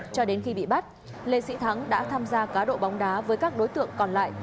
cho đến khi bị bắt lê sĩ thắng đã tham gia cá độ bóng đá với các đối tượng còn lại